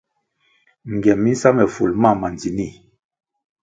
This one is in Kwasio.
Ngiem mi nsa me ful mam ma ndzinih.